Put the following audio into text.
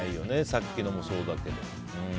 さっきのもそうだけど。